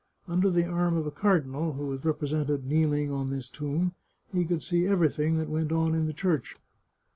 Under the arm of a cardinal, who was represented kneeling on this tomb, he could see everything that went on in the church.